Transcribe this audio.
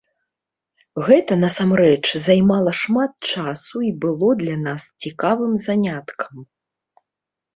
Гэта насамрэч займала шмат часу і было для нас цікавым заняткам.